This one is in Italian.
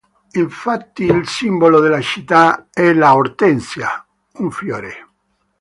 Infatti il simbolo della città è la Ortensia, un fiore.